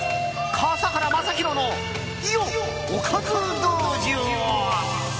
笠原将弘のおかず道場。